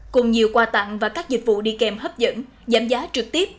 cùng nhiều quà tặng và các dịch vụ đi kèm hấp dẫn giảm giá trực tiếp